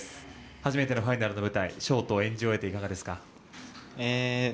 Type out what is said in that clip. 初めてのファイナルの舞台ショートを演じ終えていかがですか。